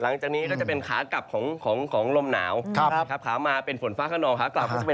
หลังจากนี้ก็จะเป็นขากลับของลมหนาวนะครับครับครับ